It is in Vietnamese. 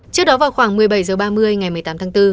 trước đó vào khoảng một mươi bảy h ba mươi ngày một mươi tám tháng bốn